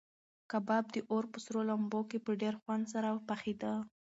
کباب د اور په سرو لمبو کې په ډېر خوند سره پخېده.